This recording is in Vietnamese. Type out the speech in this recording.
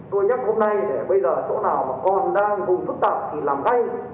tôi nhắc hôm nay bây giờ chỗ nào mà còn đang vùng phức tạp thì làm ngay